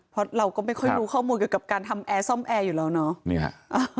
เพราะเราก็ไม่ค่อยรู้ข้อมูลเกี่ยวกับการทำแอร์ซ่อมแอร์อยู่แล้วเนาะ